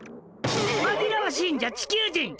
まぎらわしいんじゃ地球人！